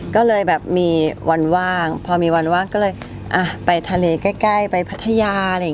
ก็เลยแบบมีวันว่างพอมีวันว่างก็เลยไปทะเลใกล้ไปพัทยาอะไรอย่างนี้